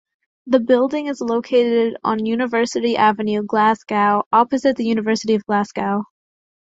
The building is located on University Avenue, Glasgow, opposite the University of Glasgow.